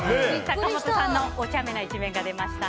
坂本さんのおちゃめな一面が出ました。